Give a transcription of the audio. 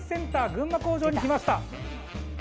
群馬工場に来ました。